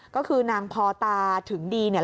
ก็คือนางพอตาถึงดีเนี่ย